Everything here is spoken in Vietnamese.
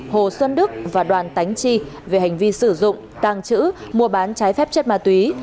hồ xuân đức và đoàn tán chi về hành vi sử dụng tàng trữ mua bán trái phép chất ma túy